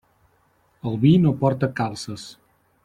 El vi no porta calces.